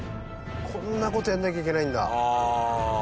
こんな事やんなきゃいけないんだ。